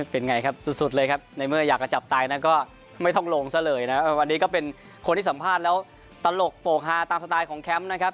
เป็นไงครับสุดเลยครับในเมื่ออยากจะจับตายนะก็ไม่ต้องลงซะเลยนะวันนี้ก็เป็นคนที่สัมภาษณ์แล้วตลกโปรกฮาตามสไตล์ของแคมป์นะครับ